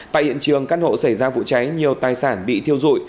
tại hiện trường căn hộ xảy ra vụ cháy nhiều tài sản bị thiêu dụi